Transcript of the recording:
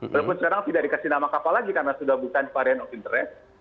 walaupun sekarang tidak dikasih nama kapal lagi karena sudah bukan varian of interest